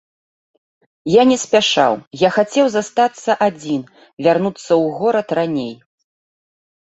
Я не спяшаў, я хацеў застацца адзін, вярнуцца ў горад раней.